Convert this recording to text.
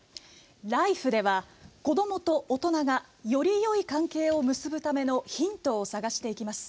「ＬＩＦＥ！」では子どもと大人がよりよい関係を結ぶためのヒントを探していきます。